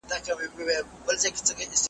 پر زړه هر گړی را اوري ستا یادونه `